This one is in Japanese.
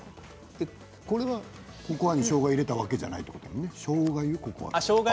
これはココアにしょうがを入れたわけじゃないですよね？